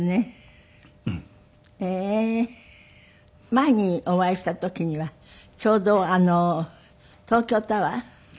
前にお会いした時にはちょうど『東京タワー』？